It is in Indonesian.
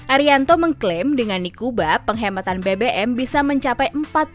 arianto mengklaim dengan di kuba penghematan bbm bisa mencapai empat puluh